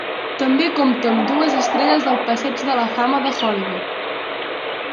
També compta amb dues estrelles al Passeig de la Fama de Hollywood.